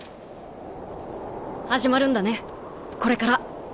始まるんだねこれから。